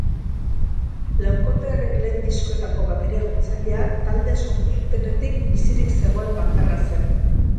Laukotearen lehen diskoetako bateria-jotzailea taldea sortu zutenetatik bizirik zegoen bakarra zen.